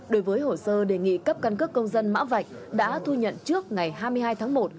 đối với hồ sơ đề nghị cấp căn cước công dân mã vạch đã thu nhận trước ngày hai mươi hai tháng một